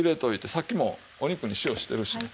さっきもお肉に塩してるしね。